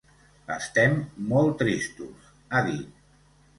Estem molt tristos, ha dit.